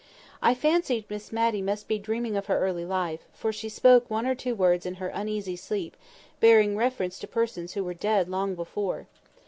I fancied Miss Matty must be dreaming of her early life; for she spoke one or two words in her uneasy sleep bearing reference to persons who were dead long before.